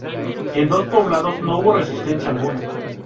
En dos poblados no hubo resistencia alguna.